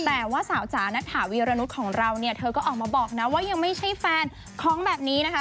แต่ว่าสาวจ๋านัทถาวีรนุษย์ของเราเนี่ยเธอก็ออกมาบอกนะว่ายังไม่ใช่แฟนของแบบนี้นะคะ